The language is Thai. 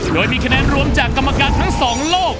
โดยมีคะแนนรวมจากกรรมการทั้งสองโลก